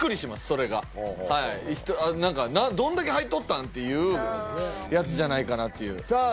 それがどんだけ入っとったん！？っていうやつじゃないかなっていうさあ